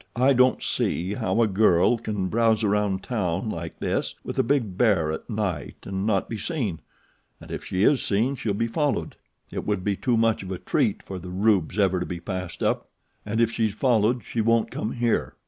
I don't see how a girl can browse around a town like this with a big bear at night and not be seen, and if she is seen she'll be followed it would be too much of a treat for the rubes ever to be passed up and if she's followed she won't come here.